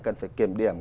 cần phải kiểm điểm